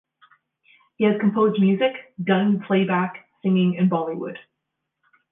He has composed music, done playback singing in Bollywood.